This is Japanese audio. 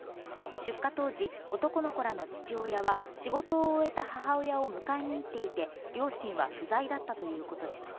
出火当時、男の子らの父親は仕事を終えた母親を迎えに行っていて、両親は不在だったということです。